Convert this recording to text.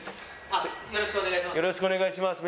よろしくお願いします